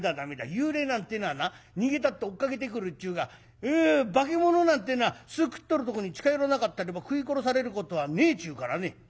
幽霊なんてのはな逃げたって追っかけてくるっちゅうが化物なんてのは巣くってるとこに近寄らなかったらば食い殺されることはねえちゅうからね。